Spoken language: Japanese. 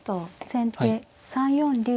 先手３四竜。